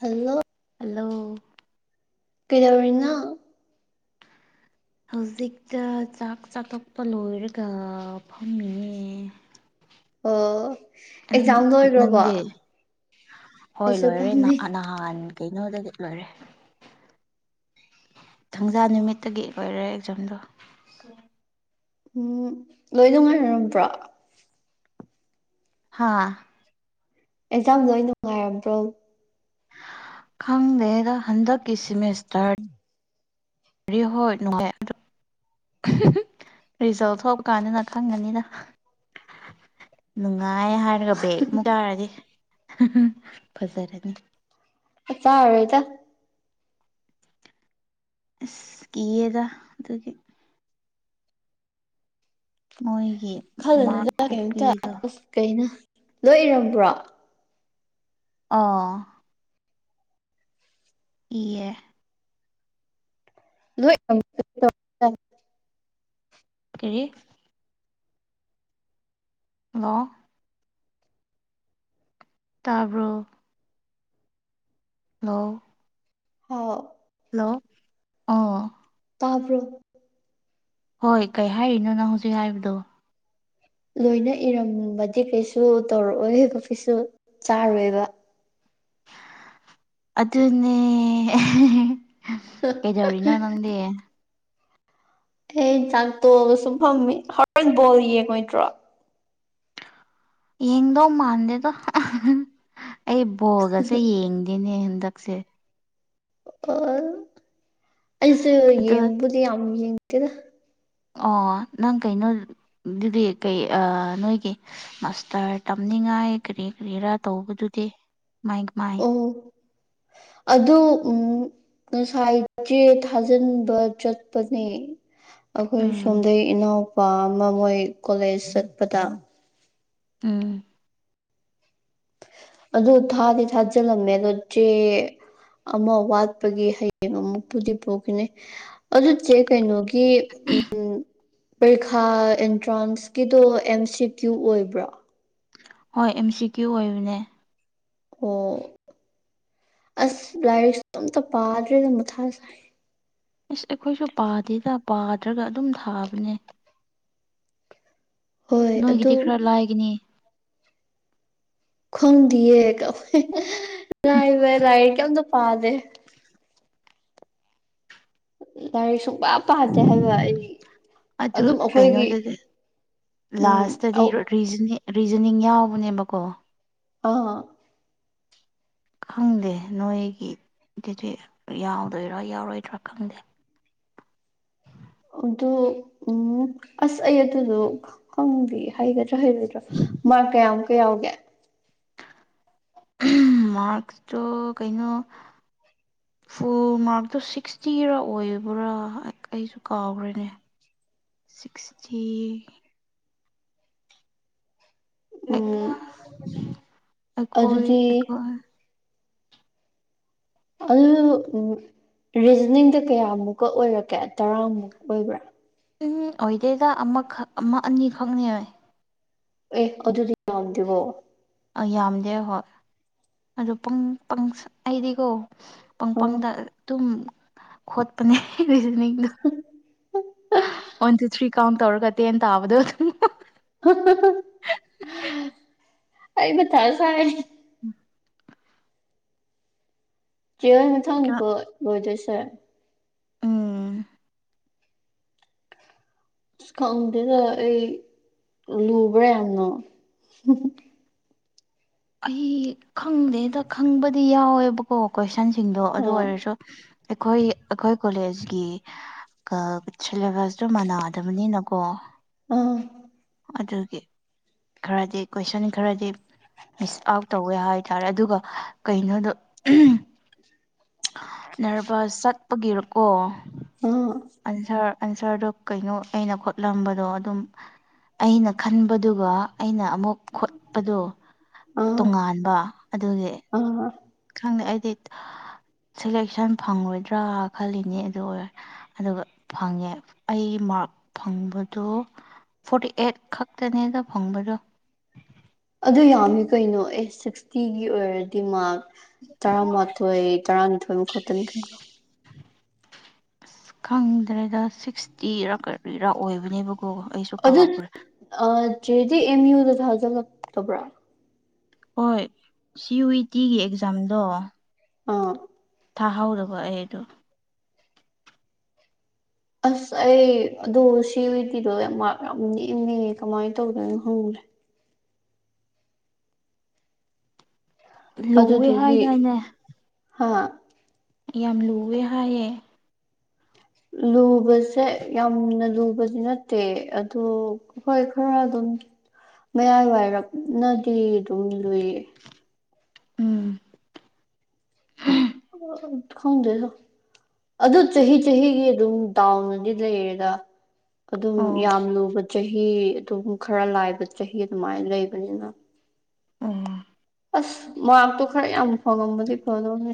hello hello ꯀꯩꯗꯧꯔꯤꯅꯣ ꯍꯧꯖꯤꯛꯇ ꯆꯥꯛ ꯆꯥꯇꯣꯛꯄ ꯂꯣꯏꯔꯒ ꯐꯝꯃꯤꯌꯦ ꯑꯣ ꯅꯪ ꯑꯦꯛꯖꯥꯝ ꯂꯣꯏꯈ꯭ꯔꯕꯣ ꯅꯪꯗꯤ ꯍꯣꯏ ꯑꯩꯁꯨ ꯂꯣꯏꯔꯦ ꯐꯝꯃꯤ ꯅꯍꯥ ꯅꯍꯥꯟ ꯀꯩꯅꯣꯗꯒꯤ ꯂꯣꯏꯔꯦ ꯊꯪꯖꯥ ꯅꯨꯃꯤꯠꯇꯒꯤ ꯂꯣꯢꯔꯦ ꯑꯦꯛꯖꯥꯝꯗꯣ ꯎꯝ ꯂꯣꯏ ꯅꯨꯡꯉꯥꯏꯔꯝꯕ꯭ꯔꯣ ꯍꯥꯥ ꯑꯦꯛꯖꯥꯝ ꯂꯣꯏ ꯅꯨꯡꯉꯥꯏꯔꯝꯕ꯭ꯔꯣ ꯈꯪꯗꯦꯗ ꯍꯟꯗꯛꯀꯤ ꯁꯤꯝꯃꯤꯁꯇꯔ ꯗꯤ ꯍꯣꯏ ꯅꯨꯡꯉꯥꯏ ꯑꯗꯣ [unintelligible] ꯔꯤꯖꯜ ꯊꯣꯛꯄ ꯀꯥꯟꯗꯅ ꯈꯪꯉꯅꯤꯗ ꯅꯨꯡꯉꯥꯏ ꯍꯥꯏꯔꯒ ꯕꯦꯛ ꯑꯃꯨꯛ ꯆꯥꯔꯗꯤ ꯐꯖꯔꯅꯤ ꯑ ꯆꯥꯔꯣꯏꯗ ꯑꯁ ꯀꯤꯑꯦꯗ ꯑꯗꯨꯒꯤ ꯃꯣꯏꯒꯤ ꯃꯥꯔꯛ ꯈꯜꯂꯨꯅꯨꯗ ꯀꯩꯝꯇ ꯈꯨꯄꯤꯗꯣ ꯑꯁ ꯀꯩꯅꯣ ꯂꯣꯏ ꯏꯔꯝꯕ꯭ꯔꯣ ꯑꯥ ꯏꯌꯦ ꯂꯣꯏ ꯑꯝ ꯀꯔꯤ ꯍꯜꯂꯣ ꯇꯥꯕ꯭ꯔꯣ ꯂꯣ ꯍꯣ ꯂꯣ ꯑ ꯇꯥꯕ꯭ꯔꯣ ꯍꯣꯏ ꯀꯩ ꯍꯥꯏꯔꯤꯅꯣ ꯅꯪ ꯍꯧꯖꯤꯛ ꯍꯥꯏꯕꯗꯣ ꯂꯣꯏꯅ ꯏꯔꯝꯕꯗꯤ ꯀꯩꯁꯨ ꯇꯧꯔꯛꯑꯣꯏꯕ ꯀꯩꯁꯨ ꯆꯥꯔꯣꯏꯕ ꯑꯗꯨꯅꯦ ꯀꯩꯗꯧꯔꯤꯅꯣ ꯅꯪꯗꯤ ꯑꯩ ꯆꯥꯛ ꯇꯣꯑꯒ ꯁꯨꯝ ꯐꯝꯃꯤ ꯍꯣꯔꯦꯟ ꯕꯣꯜ ꯌꯦꯡꯉꯣꯏꯗ꯭ꯔꯣ ꯌꯦꯡꯗꯧ ꯃꯥꯟꯗꯦꯗ ꯑꯩ ꯕꯣꯜꯒꯁꯦ ꯌꯦꯡꯗꯦꯅꯦ ꯍꯟꯗꯛꯁꯦ ꯑꯣ ꯑꯩꯁꯨ ꯑꯗꯨ ꯌꯦꯡꯕꯨꯗꯤ ꯌꯥꯝ ꯌꯦꯡꯇꯦꯗ ꯑꯣ ꯅꯪ ꯀꯩꯅꯣ ꯗꯨꯗꯤ ꯀꯩ ꯑꯥ ꯅꯣꯏꯒꯤ ꯃꯥꯁꯇꯔ ꯇꯝꯅꯤꯡꯉꯥꯏ ꯀꯔꯤ ꯀꯔꯤꯔꯥ ꯇꯧꯕꯗꯨꯗꯤ ꯃꯥꯏ ꯀꯃꯥꯏ ꯑꯣ ꯑꯗꯨ ꯎꯝ ꯉꯁꯥꯏ ꯆꯦ ꯊꯥꯖꯤꯟꯕ ꯆꯠꯄꯅꯦ ꯑꯈꯣꯏ ꯎꯝ ꯁꯣꯝꯗꯩ ꯏꯅꯥꯎꯄꯥ ꯑꯃ ꯃꯣꯏ ꯀꯣꯂꯦꯖ ꯆꯠꯄꯗ ꯎꯝ ꯑꯗꯣ ꯊꯥꯗꯤ ꯊꯥꯖꯤꯜꯂꯝꯃꯦ ꯗꯣ ꯆꯦ ꯑꯃ ꯋꯥꯠꯄꯒꯤ ꯍꯌꯦꯡ ꯑꯃꯨꯛꯄꯨꯗꯤ ꯄꯨꯈꯤꯅꯤ ꯑꯗꯨ ꯆꯦ ꯀꯩꯅꯣꯒꯤ ꯀꯤ ꯎꯝ ꯄꯔꯤꯈꯥ ꯑꯦꯟꯇ꯭ꯔꯥꯟꯁ ꯀꯤꯗꯣ ꯑꯦꯝ ꯁꯤ ꯀ꯭ꯌꯨ ꯑꯣꯏꯕ꯭ꯔꯣ ꯍꯣꯏ ꯑꯦꯝ ꯁꯤ ꯀ꯭ꯌꯨ ꯑꯣꯏꯕꯅꯦ ꯑꯣ ꯑꯁ ꯂꯥꯏꯔꯤꯛꯁꯨ ꯑꯝꯇ ꯄꯥꯗ꯭ꯔꯦꯗ ꯃꯊꯥꯁꯥꯏ ꯏꯁ ꯑꯩꯈꯣꯏꯁꯨ ꯄꯥꯗꯦꯗ ꯄꯥꯗ꯭ꯔꯒ ꯑꯗꯨꯝ ꯊꯥꯕꯅꯦ ꯍꯣꯏ ꯑꯗꯨ ꯅꯣꯏꯒꯤꯗꯤ ꯈꯔ ꯂꯥꯏꯒꯅꯤ ꯈꯪꯗꯤꯌꯦ ꯀ ꯑꯈꯣꯏ ꯂꯥꯏꯕ ꯂꯥꯏꯔꯤꯛꯀꯤ ꯑꯝꯇ ꯄꯥꯗꯦ ꯂꯥꯏꯔꯤꯛ ꯁꯨꯡꯄꯥ ꯄꯥꯗꯦ ꯍꯥꯏꯕ ꯑꯩ ꯑꯗꯨ ꯑꯗꯨꯝ ꯑꯈꯣꯏꯒꯤ ꯀꯩꯅꯣꯗꯗꯤ ꯎꯝ ꯂꯥꯁꯇꯗꯤ ꯑꯧ ꯔꯤꯖꯅꯤ ꯔꯤꯖꯅꯤꯡ ꯌꯥꯎꯕꯅꯦꯕꯀꯣ ꯑꯥ ꯈꯪꯗꯦ ꯅꯣꯏꯒꯤꯗꯨꯗꯤ ꯌꯥꯎꯗꯣꯏꯔꯥ ꯌꯥꯎꯔꯣꯏꯗ꯭ꯔꯥ ꯈꯪꯗꯦ ꯑꯗꯨ ꯎꯝ ꯑꯁ ꯑꯩ ꯑꯗꯨꯗꯨ ꯈꯪꯗꯤꯌꯦ ꯍꯩꯒꯗ꯭ꯔꯥ ꯍꯩꯔꯣꯏꯗ꯭ꯔꯥ ꯃꯥꯔꯛ ꯀꯌꯥꯃꯨꯛꯀ ꯌꯥꯎꯒꯦ ꯃꯥꯔꯛꯁꯇꯣ ꯀꯩꯅꯣ ꯐꯨꯜ ꯃꯥꯔꯛꯇꯣ ꯁꯤꯛꯁꯇꯤꯔꯥ ꯑꯣꯏꯕ꯭ꯔꯥ ꯑꯩꯁꯨ ꯀꯥꯎꯒ꯭ꯔꯦꯅꯦ [inaudible] ꯁꯤꯛꯁꯇꯤ ꯂꯥꯏꯛ ꯎꯝ ꯑꯩꯈꯣꯏ ꯑꯗꯨꯗꯤ ꯑꯩꯈꯣꯏ ꯑꯗꯨ ꯎꯝ ꯔꯤꯖꯅꯤꯡꯗ ꯀꯌꯥꯃꯨꯛꯀ ꯑꯣꯏꯔꯛꯀꯦ ꯇꯔꯥꯃꯨꯛ ꯑꯣꯏꯕ꯭ꯔꯥ ꯎꯝ ꯑꯣꯏꯗꯦꯗ ꯑꯃꯈꯛ ꯑꯃ ꯑꯅꯤꯈꯛꯅ ꯌꯥꯏ ꯑꯦ ꯑꯗꯨꯗꯤ ꯌꯥꯝꯗꯦꯕꯣ ꯑꯥ ꯌꯥꯝꯗꯦ ꯍꯣꯏ ꯑꯗꯨ ꯄꯡ ꯄꯡꯁ ꯑꯩꯗꯤꯀꯣ ꯑꯥ ꯄꯪꯄꯪꯗ ꯗꯨꯝ ꯈꯣꯠꯄꯅꯦ ꯔꯤꯖꯅꯤꯡꯗꯣ ꯋꯥꯟ ꯇꯨ ꯊ꯭ꯔꯤ ꯀꯥꯎꯟ ꯇꯧꯔꯒ ꯇꯦꯟ ꯇꯥꯕꯗꯣ ꯍꯥꯍꯥꯑꯩ ꯃꯊꯥꯁꯥꯏ ꯎꯝ ꯆꯦꯍꯣꯏ ꯃꯊꯪꯅꯤꯀꯣ ꯂꯣꯏꯗꯣꯏꯁꯦ ꯎꯝ ꯑꯁ ꯈꯪꯗꯦꯗ ꯑꯩ ꯂꯨꯕ꯭ꯔꯥ ꯌꯥꯝꯅ ꯑꯩ ꯈꯪꯗꯦꯗ ꯈꯪꯕꯗꯤ ꯌꯥꯎꯋꯦꯕꯀꯣ ꯀꯣꯏꯁꯟꯁꯤꯡꯗꯣ ꯑꯗꯨ ꯑꯥ ꯑꯣꯏꯔꯁꯨ ꯑꯩꯈꯣꯏ ꯑꯈꯣꯏ ꯀꯣꯂꯦꯖꯀꯤ ꯀꯥ ꯁꯤꯂꯦꯕꯁꯇꯣ ꯃꯥꯟꯅꯗꯕꯅꯤꯅ ꯀꯣ ꯑꯥ ꯑꯗꯨꯒꯤ ꯈꯔꯗꯤ ꯀꯣꯏꯁꯟ ꯈꯔꯗꯤ ꯃꯤꯁ ꯑꯥꯎꯠ ꯇꯧꯋꯦ ꯍꯥꯏꯇꯥꯔꯦ ꯑꯗꯨꯒ ꯀꯩꯅꯣꯗꯣ ꯅꯔꯕꯥꯁ ꯆꯠꯄꯒꯤꯔꯀꯣ ꯑꯥ ꯑꯟꯁꯔ ꯑꯟꯁꯔꯗꯣ ꯀꯩꯅꯣ ꯑꯩꯅ ꯈꯣꯠꯂꯝꯕꯗꯣ ꯑꯗꯨꯝ ꯑꯩꯅ ꯈꯟꯕꯗꯨꯒ ꯑꯩꯅ ꯑꯃꯨꯛ ꯈꯣꯠꯄꯗꯣ ꯑꯥ ꯇꯣꯉꯥꯟꯕ ꯑꯗꯨꯒꯤ ꯑꯥ ꯈꯪꯗꯦ ꯑꯩꯗꯤ ꯁꯦꯂꯦꯛꯁꯟ ꯐꯪꯉꯣꯏꯗ꯭ꯔꯥ ꯈꯜꯂꯤꯅꯦ ꯑꯗꯨ ꯑꯣꯏ ꯑꯗꯨꯒ ꯐꯪꯉꯦ ꯑꯩ ꯃꯥꯔꯛ ꯐꯪꯕꯗꯨ ꯐꯣꯔꯇꯤ ꯑꯦꯠ ꯈꯛꯇꯅꯦꯗ ꯐꯪꯕꯗꯣ ꯑꯗꯨ ꯌꯥꯝꯃꯤ ꯀꯩꯅꯣ ꯑꯦ ꯁꯤꯛꯁꯇꯤꯒꯤ ꯑꯣꯏꯔꯗꯤ ꯃꯥꯛ ꯇꯔꯥꯃꯥꯊꯣꯏ ꯇꯔꯥꯅꯤꯊꯣꯏ ꯃꯨꯛ ꯈꯛꯇꯅꯤ ꯀꯩꯅꯣ ꯑꯁ ꯈꯪꯗ꯭ꯔꯦꯗ ꯁꯤꯛꯁꯇꯤꯔꯥ ꯀꯔꯤꯔꯥ ꯑꯣꯏꯕꯅꯦꯕ ꯀꯣ ꯑꯩꯁꯨ ꯀꯥꯎꯈ꯭ꯔꯦ ꯑ ꯆꯦꯗꯤ ꯑꯦꯝ ꯌꯨꯗ ꯊꯥꯖꯜꯂꯛꯇꯕ꯭ꯔꯥ ꯍꯣꯏ ꯁꯤ ꯌꯨ ꯏ ꯇꯤꯒꯤ ꯑꯦꯛꯖꯥꯝꯗꯣ ꯑꯥ ꯊꯥꯍꯧꯗꯕ ꯑꯩ ꯑꯗꯨ ꯑꯁ ꯑꯩ ꯑꯗꯣ ꯁꯤ ꯌꯨ ꯏ ꯇꯤꯗꯣ ꯃꯥꯔꯛ ꯌꯥꯝ ꯅꯦꯝꯃꯦ ꯀꯃꯥꯏ ꯇꯧꯗꯣꯏꯅꯣ ꯈꯪꯗ꯭ꯔꯦ ꯂꯨꯋꯦ ꯑꯗꯨꯗꯨꯒꯤ ꯍꯥꯏꯗꯥꯏꯅꯦ ꯍꯥ ꯌꯥꯝ ꯂꯨꯌꯦ ꯍꯥꯏꯌꯦ ꯂꯨꯕꯁꯦ ꯌꯥꯝꯅ ꯂꯨꯕꯗꯤ ꯅꯠꯇꯦ ꯑꯗꯨ ꯍꯣꯏ ꯈꯔ ꯑꯗꯨꯝ ꯃꯌꯥꯏ ꯋꯥꯏꯔꯞꯅꯗꯤ ꯑꯗꯨꯝ ꯂꯨꯏ ꯎꯝ ꯈꯪꯗꯦꯗ ꯑꯗꯨ ꯆꯍꯤ ꯆꯍꯤꯒꯤ ꯑꯗꯨꯝ ꯗꯥꯎꯅꯗꯤ ꯂꯩꯔꯦꯗ ꯑꯗꯨꯝ ꯑꯣ ꯌꯥꯝ ꯂꯨꯕ ꯆꯍꯤ ꯑꯗꯨꯝ ꯈꯔ ꯂꯥꯏꯕ ꯆꯍꯤ ꯑꯗꯨꯃꯥꯏꯅ ꯂꯩꯕꯅꯤꯅ ꯑꯣ ꯑꯁ ꯃꯥꯔꯛꯇꯣ ꯈꯔ ꯌꯥꯝ ꯐꯪꯉꯝꯃꯗꯤ ꯐꯥꯗꯧꯅꯤ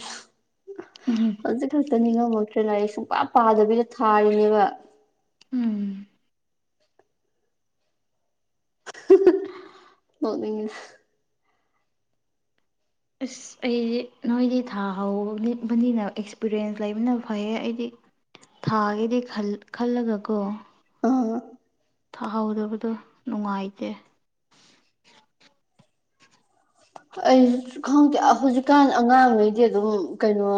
ꯎꯝ ꯍꯧꯖꯤꯛ ꯈꯛꯇ ꯅꯤꯉꯝꯃꯛꯇ꯭ꯔꯦ ꯂꯥꯢꯔꯤꯛ ꯁꯨꯡꯄꯥ ꯄꯥꯗꯕꯤꯗ ꯊꯥꯔꯤꯅꯦꯕ ꯎꯝ ꯍꯥ ꯅꯣꯛꯅꯤꯡꯉꯦ ꯑꯁ ꯑꯩꯗꯤ ꯅꯣꯏꯗꯤ ꯊꯥꯍꯧꯕꯅꯤꯅ ꯑꯦꯛꯁꯄꯤꯔꯤꯌꯦꯟꯁ ꯂꯩꯕꯅ ꯐꯩꯌꯦ ꯑꯩꯗꯤ ꯊꯥꯒꯦꯗꯤ ꯈꯜ ꯈꯜꯂꯒ ꯀꯣ ꯑꯥ ꯊꯥꯍꯧꯗꯕꯗꯣ ꯅꯨꯡꯉꯥꯏꯇꯦ ꯑꯩꯁ ꯈꯪꯗꯦ ꯍꯧꯖꯤꯛꯀꯥꯟ ꯑꯉꯥꯡꯉꯩꯗꯤ ꯑꯗꯨꯝ ꯀꯩꯅꯣ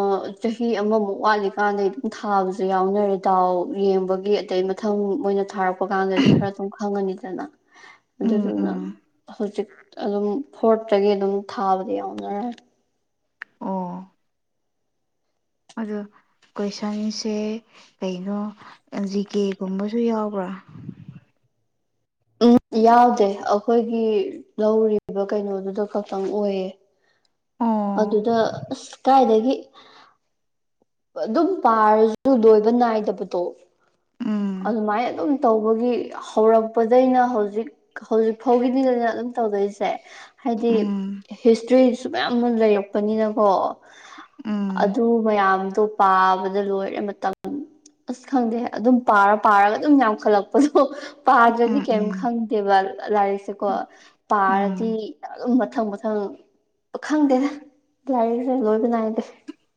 ꯆꯍꯤ ꯑꯃꯃꯨꯛ ꯋꯥꯠꯂꯤꯀꯥꯟꯗꯩ ꯑꯗꯨꯝ ꯊꯥꯕꯖꯨ ꯌꯥꯎꯅꯔꯦ ꯗꯥꯎ ꯌꯦꯡꯕꯒꯤ ꯑꯗꯩ ꯃꯊꯪ ꯃꯣꯏꯅ ꯊꯥꯔꯛꯄ ꯄꯀꯥꯟꯗꯗꯤ ꯈꯔ ꯑꯗꯨꯝ ꯈꯪꯉꯅꯤꯗꯅ ꯎꯝ ꯑꯗꯨꯗꯨꯅ ꯎꯝ ꯍꯧ ꯖꯤꯛ ꯑꯗꯨꯝ ꯐꯣꯔꯠꯇꯒꯤ ꯑꯗꯨꯝ ꯊꯥꯕꯗꯤ ꯌꯥꯎꯅꯔꯦ ꯑꯣ ꯑꯗꯣ ꯀꯣꯏꯁꯟꯁꯦ ꯀꯩꯅꯣ ꯖꯤꯀꯦ ꯒꯨꯝꯕ ꯗꯨ ꯌꯥꯎꯕ꯭ꯔꯣ ꯎꯝ ꯌꯥꯎꯗꯦ ꯑꯩꯈꯣꯏꯒꯤ ꯂꯧꯔꯤꯕ ꯀꯩꯅꯣꯗꯨꯗ ꯈꯛꯇꯪ ꯑꯣꯏꯌꯦ ꯑꯣ ꯑꯗꯨꯗ ꯑꯁ ꯀꯥꯏꯗꯒꯤ ꯑꯗꯨꯝ ꯄꯥꯔꯖꯨ ꯂꯣꯏꯕ ꯅꯥꯏꯗꯕꯗꯣ ꯎꯝ ꯑꯗꯨꯃꯥꯏ ꯑꯗꯨꯝ ꯇꯧꯕꯒꯤ ꯍꯧꯔꯛꯄꯗꯩꯅ ꯍꯧꯖꯤꯛ ꯍꯧꯖꯤꯛ ꯐꯥꯎꯒꯤꯗꯤꯗꯅ ꯑꯗꯨꯝ ꯇꯧꯗꯣꯏꯁꯦ ꯍꯥꯏꯗꯤ ꯎꯝ ꯍꯤꯁꯇ꯭ꯔꯤꯁꯨ ꯃꯌꯥꯝꯃ ꯂꯩꯔꯛꯄꯅꯤꯅꯀꯣ ꯎꯝ ꯑꯗꯨ ꯃꯌꯥꯝꯗꯣ ꯄꯥꯕꯗ ꯂꯣꯏꯔꯦ ꯃꯇꯝ ꯑꯁ ꯈꯪꯗꯦ ꯑꯗꯨꯝ ꯄꯥꯔ ꯄꯥꯔꯒ ꯑꯗꯨꯝ ꯌꯥꯝꯈꯠꯂꯛꯄꯗꯣ ꯄꯥꯗ꯭ꯔꯗꯤ ꯎꯝ ꯀꯩꯝ ꯎꯝ ꯈꯪꯗꯦꯕ ꯂꯥꯏꯔꯤꯛꯁꯦꯀꯣ ꯄꯥꯔꯗꯤ ꯎꯝ ꯑꯗꯨꯝ ꯃꯊꯪ ꯃꯊꯪ ꯈꯪꯗꯦꯗ ꯂꯥꯏꯔꯤꯛꯁꯦ ꯂꯣꯏꯕ ꯅꯥꯏꯗꯦ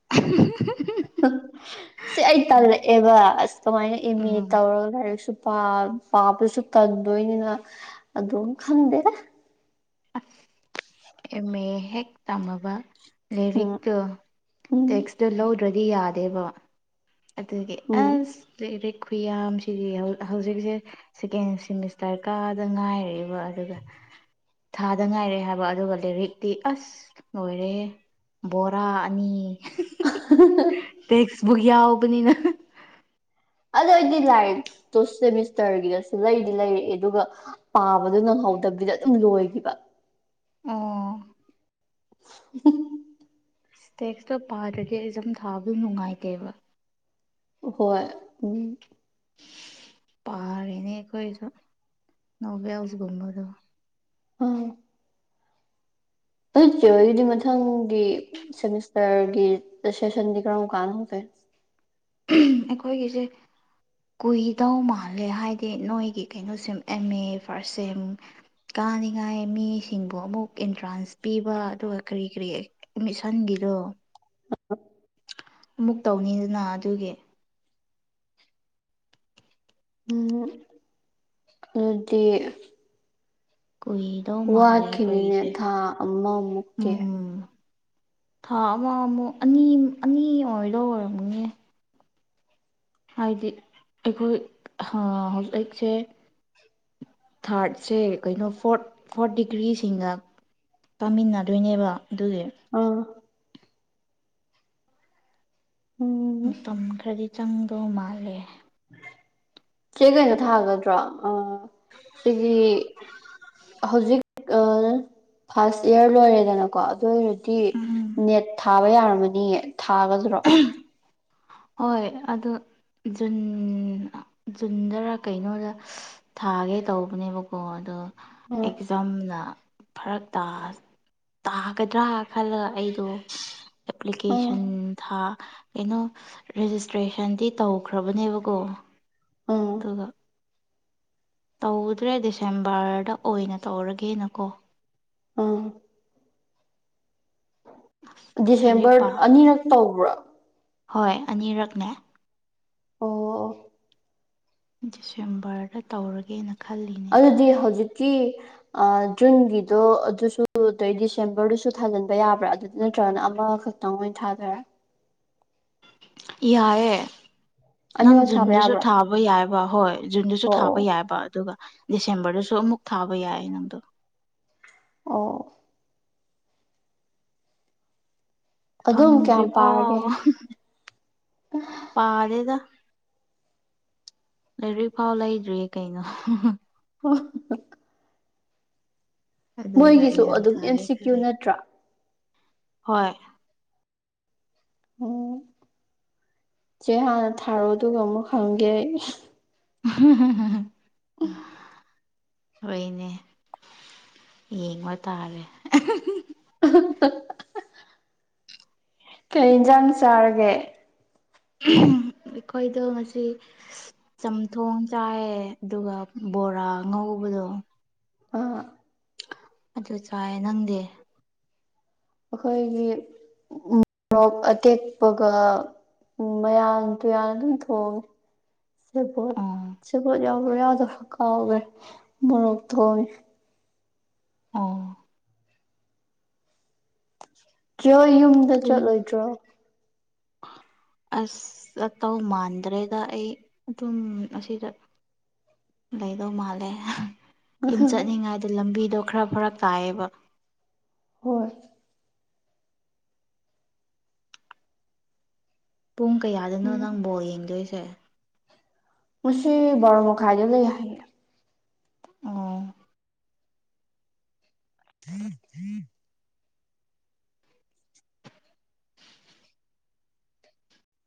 [unintelligible] ꯍꯛ ꯁꯤ ꯑꯩ ꯇꯜꯂꯛꯑꯦꯕ ꯑꯁ ꯀꯃꯥꯏꯅ ꯑꯦꯝ ꯑꯦ ꯎꯝ ꯇꯧꯔꯒ ꯂꯥꯏꯔꯤꯛꯁꯨ ꯄꯥ ꯄꯥꯕꯁꯨ ꯇꯟꯗꯣꯏꯅꯤꯅ ꯑꯗꯨꯝ ꯈꯪꯗꯦꯗ ꯑꯁ ꯑꯦꯝ ꯑꯦ ꯍꯦꯛ ꯇꯝꯃꯕ ꯎꯝ ꯂꯥꯏꯔꯤꯛꯇꯣ ꯎꯝ ꯇꯦꯛꯁꯇꯣ ꯂꯧꯗ꯭ꯔꯗꯤ ꯌꯥꯗꯦꯕ ꯑꯗꯨꯒꯤ ꯎꯝ ꯑꯁ ꯂꯩꯔꯤꯛ ꯈꯨꯌꯥꯝꯁꯤꯗꯤ ꯍꯧ ꯍꯧꯖꯤꯛꯁꯦ ꯁꯦꯀꯦꯟ ꯁꯤꯃꯤꯁꯇꯔ ꯀꯥꯗ ꯉꯥꯏꯔꯤꯕ ꯑꯗꯨꯒ ꯊꯥꯗ ꯉꯥꯏꯔꯦ ꯍꯥꯏꯕ ꯑꯗꯨꯒ ꯂꯥꯏꯔꯤꯛꯇꯤ ꯑꯁ ꯂꯣꯏꯔꯦꯍꯦ ꯕꯣꯔꯥ ꯑꯅꯤ [inaudible] ꯇꯦꯛꯁꯕꯨꯛ ꯌꯥꯎꯕꯅꯤꯅ ꯑꯗꯨ ꯑꯩꯗꯤ ꯂꯥꯏꯔꯤꯛ ꯇꯨ ꯁꯦꯃꯤꯁꯇꯔꯒꯤꯗꯁꯨ ꯂꯩꯗꯤ ꯂꯩꯔꯛꯑꯦ ꯑꯗꯨꯒ ꯄꯥꯕꯗꯥ ꯅꯪꯍꯧꯗꯕꯤꯗ ꯑꯗꯨꯝ ꯂꯣꯏꯈꯤꯕ ꯑꯣ [inaudible] ꯇꯦꯛꯁꯇꯣ ꯄꯥꯗ꯭ꯔꯗꯤ ꯑꯦꯛꯖꯥꯝ ꯊꯥꯕꯗ ꯅꯨꯡꯉꯥꯏꯇꯦꯕ ꯍꯣꯏ ꯎꯝ ꯄꯥꯔꯦ ꯅꯦ ꯑꯩꯈꯣꯏꯁꯨ ꯅꯣꯚꯦꯜꯁꯒꯨꯝꯕꯗꯣ ꯎꯝ ꯑꯗꯣ ꯆꯦ ꯍꯣꯏꯒꯤꯗꯤ ꯃꯊꯪꯒꯤ ꯁꯦꯃꯤꯁꯇꯔꯒꯤ ꯁꯦꯁꯟꯗꯤ ꯀꯔꯝ ꯀꯥꯟ ꯍꯧꯗꯣꯏꯅꯣ ꯑꯩꯈꯣꯏꯒꯤꯁꯦ ꯀꯨꯏꯗꯧ ꯃꯥꯜꯂꯦ ꯍꯥꯏꯗꯤ ꯅꯣꯏꯒꯤ ꯀꯩꯅꯣꯁꯤ ꯑꯦꯝ ꯑꯦ ꯐꯥꯔꯁ ꯁꯦꯝ ꯀꯥꯅꯤꯡꯉꯥꯏ ꯃꯤꯁꯤꯡꯕꯨ ꯑꯃꯨꯛ ꯑꯦꯟꯇ꯭ꯔꯥꯟꯁ ꯄꯤꯕ ꯑꯗꯨꯒ ꯀꯔꯤ ꯀꯔꯤ ꯑꯦꯠꯃꯤꯁꯟꯒꯤꯗꯣ ꯃꯨꯛ ꯇꯧꯅꯤꯗꯅ ꯑꯗꯨꯒꯤ ꯎꯝ ꯗꯨꯗꯤ ꯀꯨꯏꯗꯧ ꯃꯥꯜꯂꯦ ꯋꯥꯠꯈꯤꯅꯤꯅꯦ ꯑꯩꯈꯣꯏꯒꯤꯁꯦ ꯊꯥ ꯑꯃꯃꯨꯛꯀꯤ ꯎꯝ ꯊꯥ ꯑꯃꯃꯨꯛ ꯑꯅꯤ ꯑꯅꯤ ꯑꯣꯏꯗꯧ ꯑꯣꯏꯔꯝꯒꯅꯤ ꯍꯥꯏꯗꯤ ꯑꯩꯈꯣꯏ ꯍꯥꯥ ꯍꯧꯖꯤꯛ ꯑꯩꯛꯁꯦ ꯊꯥꯔꯠꯁꯦ ꯀꯩꯅꯣ ꯐꯣꯔꯠ ꯐꯣꯔꯠ ꯗꯤꯒ꯭ꯔꯤꯁꯤꯡꯅ ꯄꯥꯃꯤꯟꯅꯗꯣꯏꯅꯦꯕ ꯗꯨꯒꯤ ꯑꯥ ꯎꯝ ꯃꯇꯝ ꯈꯔꯗꯤ ꯆꯪꯗꯧ ꯃꯥꯜꯂꯦ ꯆꯦ ꯀꯩꯅꯣ ꯊꯥꯒꯗ꯭ꯔꯣ ꯑꯥ ꯁꯤꯒꯤ ꯍꯧꯖꯤꯛ ꯑꯥ ꯐꯥꯔꯁ ꯏꯌꯥꯔ ꯂꯣꯏꯔꯦꯗꯅ ꯀꯣ ꯑꯗꯨ ꯑꯣꯏꯔꯗꯤ ꯎꯝ ꯅꯦꯠ ꯊꯥꯕ ꯌꯥꯔꯝꯃꯅꯤꯌꯦ ꯊꯥꯒꯗꯔꯣ ꯍꯣꯏ ꯑꯗꯨ ꯖꯨꯟ ꯖꯨꯟꯗꯔꯥ ꯀꯩꯅꯣꯗ ꯊꯥꯒꯦ ꯇꯧꯕꯅꯦꯕꯀꯣ ꯑꯗꯣ ꯑꯥ ꯑꯦꯛꯖꯥꯝꯅ ꯐꯔꯛ ꯇꯥꯁ ꯇꯥꯒꯗ꯭ꯔꯥ ꯈꯜꯂꯒ ꯑꯩꯗꯣ ꯑꯥ ꯑꯦꯄ꯭ꯂꯤꯀꯦꯁꯟ ꯑꯥ ꯀꯩꯅꯣ ꯔꯦꯖꯤꯁꯇ꯭ꯔꯦꯁꯟꯗꯤ ꯇꯧꯈ꯭ꯔꯕꯅꯦꯕꯀꯣ ꯑꯥ ꯇꯨꯒ ꯇꯧꯗ꯭ꯔꯦ ꯗꯤꯁꯦꯝꯕꯔꯗ ꯑꯣꯏꯅ ꯇꯧꯔꯒꯦꯅꯀꯣ ꯑꯥ ꯂꯥꯏꯔꯤꯛ ꯗꯤꯁꯦꯝꯕꯔ ꯄꯥ ꯑꯅꯤꯔꯛ ꯇꯧꯕ꯭ꯔꯥ ꯍꯣꯏ ꯑꯅꯤꯔꯛꯅꯦ ꯑꯣ ꯑꯣ ꯗꯤꯁꯦꯝꯕꯔꯗ ꯇꯧꯔꯒꯦꯅ ꯈꯜꯂꯤ ꯗꯨꯗꯤ ꯍꯧꯖꯤꯛꯀꯤ ꯑꯥ ꯖꯨꯟꯒꯤꯗꯣ ꯑꯗꯨꯁꯨ ꯑꯗꯩ ꯗꯤꯁꯦꯝꯕꯔꯗꯨꯁꯨ ꯊꯥꯖꯤꯟꯕ ꯌꯥꯕ꯭ꯔꯥ ꯑꯗꯨ ꯅꯠꯇ꯭ꯔꯒꯅ ꯑꯃꯈꯛ ꯅꯥꯎꯃꯩꯟ ꯊꯥꯗꯣꯏꯔꯥ ꯌꯥꯏꯌꯦ ꯅꯪ ꯑꯅꯤꯃꯛ ꯊꯥꯕ ꯖꯨꯟꯗꯁꯨ ꯌꯥꯕ꯭ꯔꯥ ꯊꯥꯕ ꯌꯥꯏꯕ ꯍꯣꯏ ꯖꯨꯟꯗꯁꯨ ꯑꯣ ꯑꯣ ꯊꯥꯕ ꯌꯥꯕ ꯑꯗꯨꯒ ꯗꯤꯁꯦꯝꯕꯔꯗꯁꯨ ꯑꯃꯨꯛ ꯊꯥꯕ ꯌꯥꯏ ꯅꯪꯗꯣ ꯑꯣ ꯑꯗꯨꯝ ꯀꯌꯥꯝ ꯄꯥꯔꯒꯦ ꯐꯪꯗ꯭ꯔꯤꯐꯥꯎ ꯄꯥꯗꯦꯗ ꯂꯩꯔꯤꯛ ꯐꯥꯎ ꯂꯩꯗ꯭ꯔꯤꯌꯦ ꯀꯩꯅꯣ ꯑꯣ ꯑꯗꯨꯒ ꯃꯣꯏꯒꯤꯁꯨ ꯑꯦꯛꯖꯥꯝ ꯑꯗꯨꯝ ꯑꯦꯝ ꯊꯥꯒꯦ ꯁꯤ ꯀ꯭ꯌꯨ ꯈꯜꯂꯦ ꯅꯠꯇ꯭ꯔꯥ ꯍꯣꯏ ꯎꯝ ꯆꯦ ꯍꯥꯟꯅ ꯊꯥꯔꯣ ꯑꯗꯨꯒ ꯑꯃꯨꯛ ꯍꯪꯒꯦ ꯑꯩ [inaudible] ꯍꯣꯏꯅꯦ ꯌꯦꯡꯕ ꯇꯥꯔꯦ [inaudible] ꯀꯩ ꯏꯟꯖꯥꯡ ꯆꯥꯔꯒꯦ ꯑꯩꯈꯣꯏꯗꯣ ꯉꯁꯤ ꯆꯝꯊꯣꯡ ꯆꯥꯌꯦ ꯗꯨꯒ ꯕꯣꯔꯥ ꯉꯧꯕꯗꯣ ꯑꯥ ꯑꯗꯨ ꯆꯥꯌꯦ ꯅꯪꯗꯤ ꯑꯩꯈꯣꯏꯒꯤ ꯃꯣꯔꯣꯛ ꯑꯇꯦꯛꯄꯒ ꯎꯝ ꯃꯌꯥꯟ ꯇꯨꯌꯥꯟ ꯑꯗꯨꯝ ꯊꯣꯡꯉꯦ ꯁꯦꯕꯣꯠ ꯑꯣ ꯁꯦꯕꯣꯠ ꯌꯥꯎꯕꯔ ꯌꯥꯎꯗꯕꯔ ꯀꯥꯎꯒ꯭ꯔꯦ ꯃꯔꯣꯛ ꯊꯣꯡꯉꯦ ꯑꯣ ꯆꯦꯍꯣꯏ ꯌꯨꯝꯗ ꯄꯨꯡ ꯆꯠꯂꯣꯏꯗ꯭ꯔꯣ ꯑꯁ ꯆꯠꯇꯧ ꯃꯥꯟꯗ꯭ꯔꯦꯗ ꯑꯩ ꯑꯗꯨꯝ ꯑꯁꯤꯗ ꯂꯩꯗꯧ ꯃꯥꯜꯂꯦ ꯌꯨꯝ ꯆꯠꯅꯤꯡꯉꯥꯏꯗꯣ ꯂꯝꯕꯤꯗꯣ ꯈꯔ ꯐꯔꯛ ꯇꯥꯏꯌꯦꯕ ꯍꯣꯏ ꯄꯨꯡ ꯀꯌꯥꯗꯅꯣ ꯎꯝ ꯅꯪ ꯕꯣꯜ ꯌꯦꯡꯗꯣꯏꯁꯦ ꯉꯁꯤ ꯕꯣꯔꯣ ꯃꯈꯥꯏꯗ ꯂꯩ ꯍꯥꯏꯌꯦ ꯑꯣ [inaudible] [inaudible]